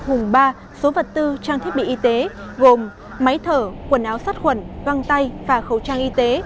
gồm ba số vật tư trang thiết bị y tế gồm máy thở quần áo sắt khuẩn văng tay và khẩu trang y tế